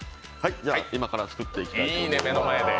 今から作っていきたいと思います。